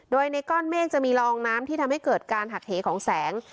โดยในก้อนเมฆจะมีลองน้ำที่ทำให้เกิดการหักเหของแสง